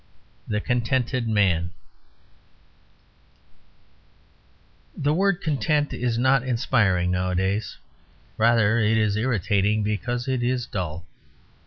THE CONTENTED MAN The word content is not inspiring nowadays; rather it is irritating because it is dull.